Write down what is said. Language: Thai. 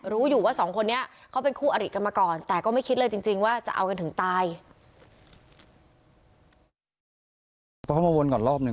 รู้อยู่ว่าสองคนนี้เขาเป็นคู่อริกันมาก่อนแต่ก็ไม่คิดเลยจริงจริงว่าจะเอากันถึงตาย